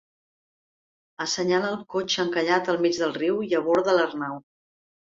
Assenyala el cotxe encallat al mig del riu i aborda l'Arnau.